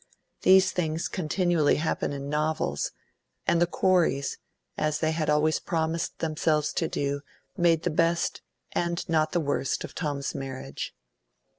These things continually happen in novels; and the Coreys, as they had always promised themselves to do, made the best, and not the worst of Tom's marriage.